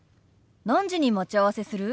何時に待ち合わせする？